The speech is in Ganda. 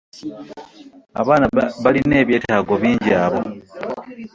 Abaana balina ebyetaago bingi abo.